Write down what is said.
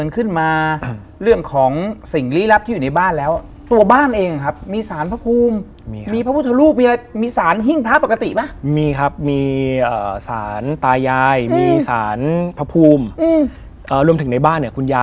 คนรุ่นใหม่เลยนะ